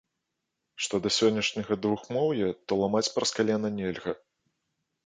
Што да сённяшняга двухмоўя, то ламаць праз калена нельга.